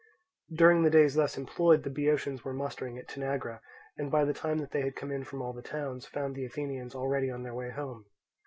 During the days thus employed the Boeotians were mustering at Tanagra, and by the time that they had come in from all the towns, found the Athenians already on their way home.